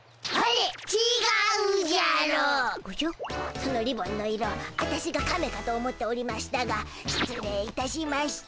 そのリボンの色ワタシがカメかと思っておりましたがしつ礼いたしました。